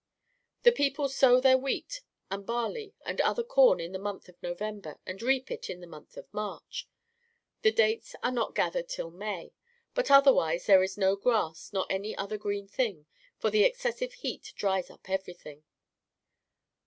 ]^ The people sow their wheat and barley and other corn in the month of November, and reap it in the month of March. The dates are not gathered till May, but otherwise there is no grass nor any other green thing, for the excessive heat dries up everything.